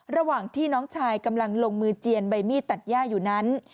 ระหว่างที่น้องชายกำลังลงมือเจียนใบมีดตัดย่าอยู่นั้น